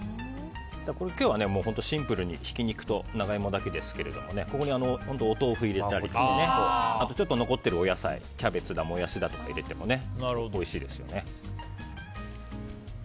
今日はシンプルにひき肉と長イモだけですがここにお豆腐を入れたりとか残っているお野菜キャベツだモヤシだとか入れてもおいしいですよね。